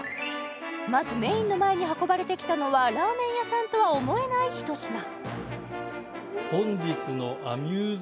まずメインの前に運ばれてきたのはラーメン屋さんとは思えないひと品アミューズ？